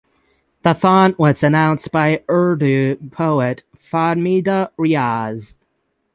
The font was announced by Urdu poet Fahmida Riaz.